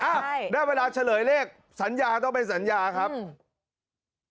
ได้เวลาเฉลยเลขสัญญาต้องเป็นสัญญาครับอืม